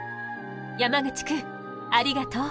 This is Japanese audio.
山口くんありがとう。